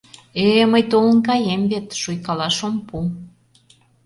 Э... мый толын каем вет... шуйкалаш ом пу...